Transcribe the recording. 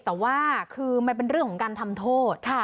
แต่ว่าคือมันเป็นเรื่องของการทำโทษ